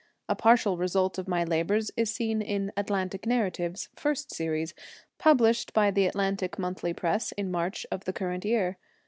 A partial result of my labors is seen in Atlantic Narratives (First Series), published by the Atlantic Monthly Press in March of the current year.